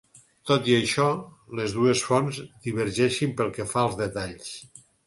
Tot i això, les dues fonts divergeixen pel que fa als detalls.